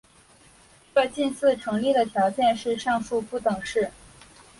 这近似成立的条件是上述不等式。